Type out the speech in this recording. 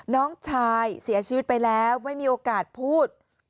น้องชายเสียชีวิตไปแล้วไม่มีโอกาสพูด